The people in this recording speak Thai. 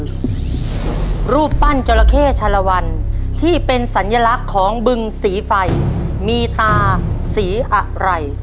อันนี้ก็คือรูปปั้นเกราะเข้ชะละวันที่เป็นสัญลักษณ์ของบึงสีไฟมีตาสีอะไหล่